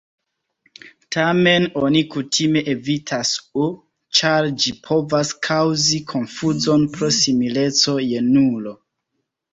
Tamen oni kutime evitas "o" ĉar ĝi povas kaŭzi konfuzon pro simileco je nulo.